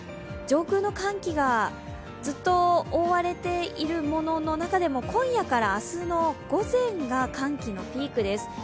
上空の寒気がずっと覆われているものの中でも今夜から明日の午前が寒気のピークです。